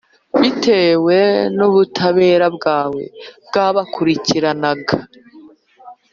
bitewe n’ubutabera bwawe bwabakurikiranaga,